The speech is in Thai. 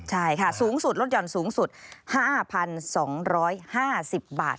ใช่ค่ะสูงสุดลดหย่อนสูงสุด๕๒๕๐บาท